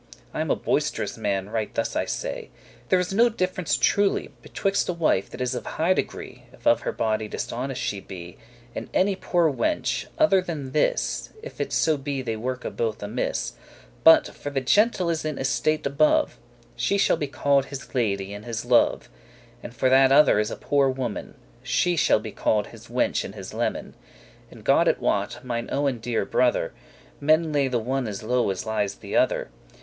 I am a boistous* man, right thus I say. *rough spoken, downright There is no difference truely Betwixt a wife that is of high degree (If of her body dishonest she be), And any poore wench, other than this (If it so be they worke both amiss), But, for* the gentle is in estate above, *because She shall be call'd his lady and his love; And, for that other is a poor woman, She shall be call'd his wench and his leman: And God it wot, mine owen deare brother, Men lay the one as low as lies the other.